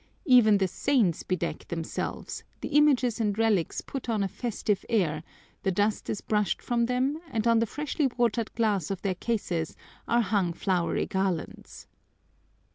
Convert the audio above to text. Even the saints bedeck themselves, the images and relics put on a festive air, the dust is brushed from them and on the freshly washed glass of their cases are hung flowery garlands.